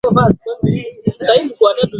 Ni mmoja wa waasisi wa Chama cha Afro Shirazi